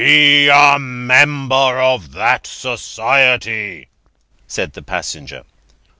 "Be a Member of that Society," said the passenger.